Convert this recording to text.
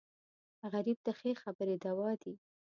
غریب ته ښې خبرې دوا دي